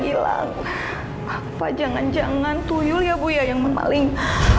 hilang apa jangan jangan tuyul ya bu yang menangis